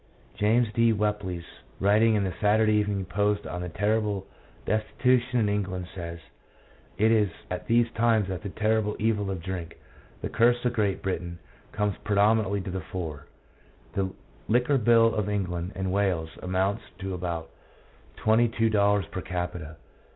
James D. Whelpley, writing in The Saturday Evening Post on the terrible destitution in England, says :" It is at these times that the terrible evil of drink, the curse of Great Britain, comes prominently to the fore. The liquor bill of England and Wales amounts to about twenty two dollars per capita.